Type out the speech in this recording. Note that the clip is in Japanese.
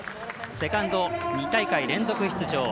セカンド２大会連続出場